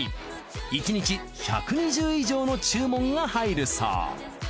１日１２０以上の注文が入るそう。